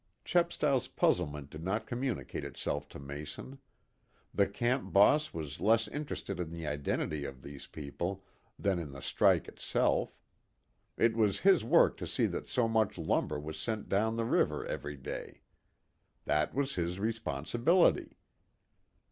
Chepstow's puzzlement did not communicate itself to Mason. The camp "boss" was less interested in the identity of these people than in the strike itself. It was his work to see that so much lumber was sent down the river every day. That was his responsibility.